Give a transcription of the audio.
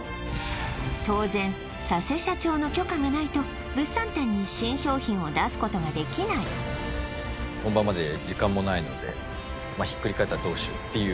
当然佐瀬社長の許可がないと物産展に新商品を出すことができないっていう